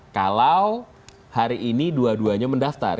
kalau hari ini dua duanya mendaftar